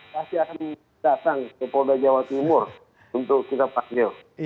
pasti akan datang ke polda jawa timur untuk kita panggil